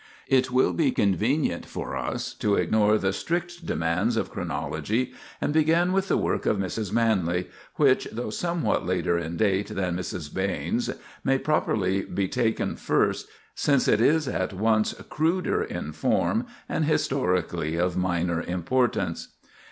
It will be convenient for us to ignore the strict demands of chronology and begin with the work of Mrs. Manley, which, though somewhat later in date than Mrs. Behn's, may properly be taken first, since it is at once cruder in form and historically of minor importance.